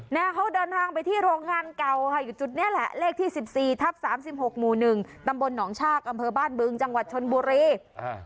เขาเดินทางไปที่โรงงานเก่าค่ะอยู่จุดนี้แหละเลขที่๑๔ทับ๓๖หมู่๑ตำบลหนองชากอำเภอบ้านบึงจังหวัดชนบุรี